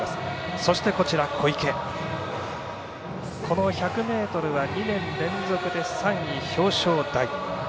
そして小池はこの１００ｍは２年連続で３位表彰台。